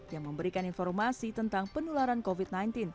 yang memberikan informasi tentang penularan covid sembilan belas